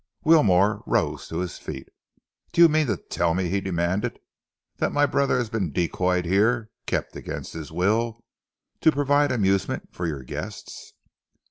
Wilmore rose to his feet. "Do you mean to tell me," he demanded, "that my brother has been decoyed here, kept here against his will, to provide amusement for your guests?"